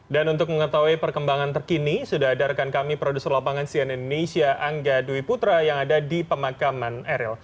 dan untuk mengetahui perkembangan terkini sudah adarkan kami produser lapangan sian indonesia angga dwi putra yang ada di pemakaman emeril